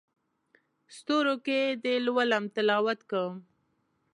ستورو کې دې لولم تلاوت کوم